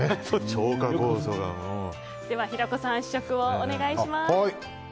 では、平子さん試食をお願いします。